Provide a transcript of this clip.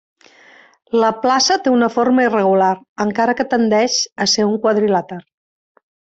La plaça té una forma irregular, encara que tendeix a ser un quadrilàter.